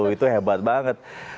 itu hebat banget